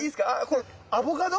これアボカド？